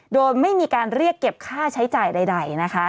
โดยไม่มีการเรียกเก็บค่าใช้จ่ายใดนะคะ